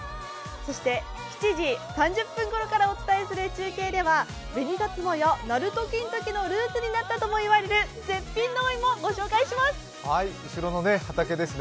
そして７時３０分ごろからお伝えする中継ではベニサツマや鳴門金時のルーツになったとも言われる絶品のお芋、ご紹介します。